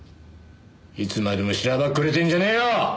いつまでもしらばっくれてるんじゃねえよ！